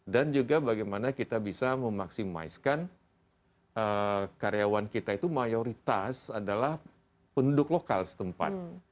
dan juga bagaimana kita bisa memaksimalkan karyawan kita itu mayoritas adalah penduduk lokal setempat